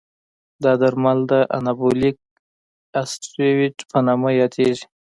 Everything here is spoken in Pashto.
دا درمل د انابولیک استروئید په نامه یادېږي.